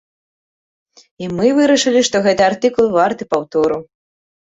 І мы вырашылі, што гэты артыкул варты паўтору.